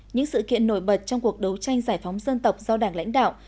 những sự kiện nổi bật trong cuộc đấu tranh giải phóng dân tộc do đảng lãnh đạo